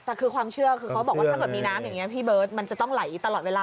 แต่คือความเชื่อคือเขาบอกว่าถ้าเกิดมีน้ำอย่างนี้พี่เบิร์ตมันจะต้องไหลตลอดเวลา